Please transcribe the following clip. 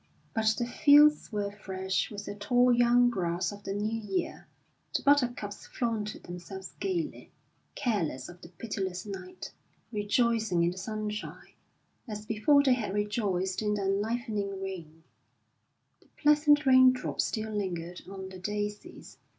But the fields were fresh with the tall young grass of the new year, the buttercups flaunted themselves gaily, careless of the pitiless night, rejoicing in the sunshine, as before they had rejoiced in the enlivening rain. The pleasant rain drops still lingered on the daisies.